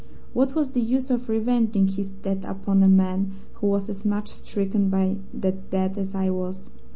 What was the use of revenging his death upon a man who was as much stricken by that death as I was?